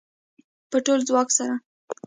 په ټول ځواک سره